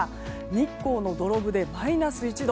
日光の土呂部でマイナス１度。